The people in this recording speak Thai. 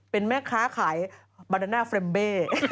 เป็นแม่ค้าขายบาดาน่าเฟรมเบ้